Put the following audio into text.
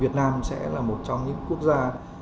việt nam sẽ là một trong những quốc gia